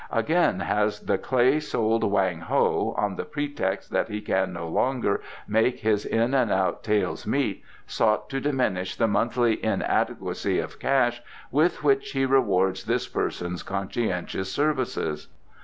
Again has the clay souled Wang Ho, on the pretext that he can no longer make his in and out taels meet, sought to diminish the monthly inadequacy of cash with which he rewards this person's conscientious services."